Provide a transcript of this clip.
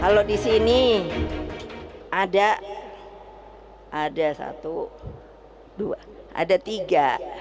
kalau di sini ada ada satu dua ada tiga